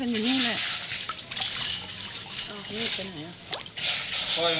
กลบตาไหล่พวกนี้หูปลา